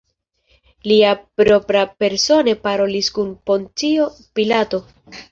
Li proprapersone parolis kun Poncio Pilato.